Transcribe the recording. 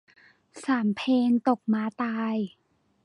สามเพลงตกม้าตาย